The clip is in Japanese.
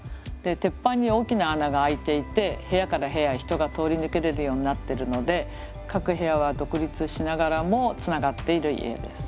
鉄板に大きな穴が開いていて部屋から部屋へ人が通り抜けれるようになってるので各部屋は独立しながらもつながっている家です。